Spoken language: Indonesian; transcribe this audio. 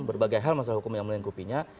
berbagai hal masalah hukum yang melengkupinya